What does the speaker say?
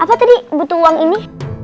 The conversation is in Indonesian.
apa tadi butuh uang ini